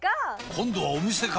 今度はお店か！